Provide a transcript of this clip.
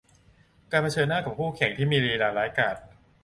การเผชิญหน้ากับคู่แข่งขันที่มีลีลาร้ายกาจ